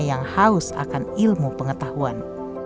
yang haus akan ilmu pengetahuan